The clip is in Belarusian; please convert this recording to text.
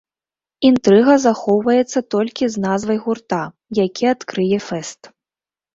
Інтрыга захоўваецца толькі з назвай гурта, які адкрые фэст.